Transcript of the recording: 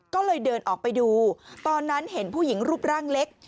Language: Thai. ก็เลยเดินออกไปดูตอนนั้นเห็นผู้หญิงรูปร่างเล็ก